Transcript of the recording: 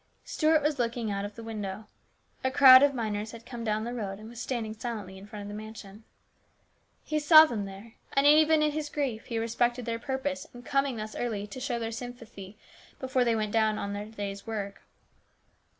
Stuart was looking out of the window. A crowd of miners had come down the road and was standing silently in front of the mansion. He saw them there, and even in his grief he respected their purpose in coming thus early to show their sympathy before they went on down to their day's work.